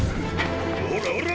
おらおら！